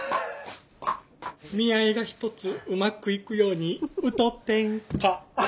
見合いがひとつうまくいくように歌てんか。